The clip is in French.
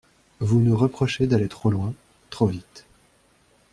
Vous nous reprochez d’aller trop loin, trop vite.